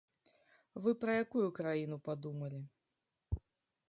Вы пра якую краіну падумалі?